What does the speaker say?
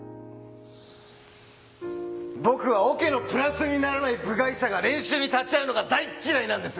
僕はオケのプラスにならない部外者が練習に立ち会うのが大っ嫌いなんです！